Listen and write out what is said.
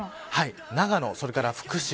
長野、それから福島